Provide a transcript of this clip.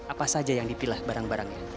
apa saja yang dipilah barang barangnya